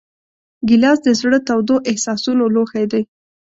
ګیلاس د زړه تودو احساسونو لوښی دی.